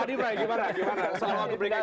pak adi pak gimana